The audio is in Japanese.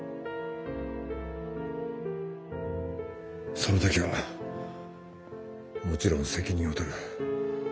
その時はもちろん責任を取る。